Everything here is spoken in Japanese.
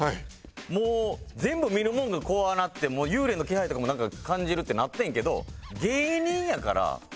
もう全部見るものが怖なって幽霊の気配とかもなんか感じるってなってんけど芸人やから